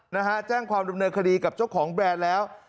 นะฮะแจ้งความดำเนินคดีกับเจ้าของแบรนด์แล้ว